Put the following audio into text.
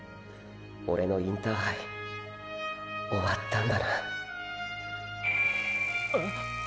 オレのインターハイ終わったんだなえ？